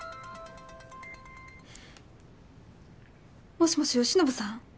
もしもし善信さん？